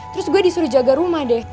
terus gue disuruh jaga rumah deh